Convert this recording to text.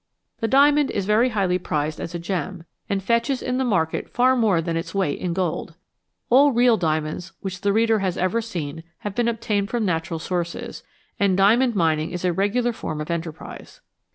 The diamond is very highly prized as a gem, and fetches in the market far more than its weight in gold. All real diamonds which the reader has ever seen have been obtained from natural sources ; and diamond mining is a regular form of enterprise.